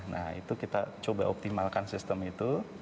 nah itu kita coba optimalkan sistem itu